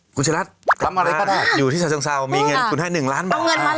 ล้ำนะครับอยู่ที่สวัสดีครับวันนักรุ่นขึ้นให้๑ล้านบาทครับ